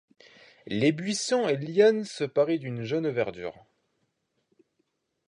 Les buissons et lianes se paraient d’une jeune verdure.